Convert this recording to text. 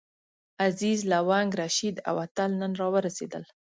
عزیز، لونګ، رشید او اتل نن راورسېدل.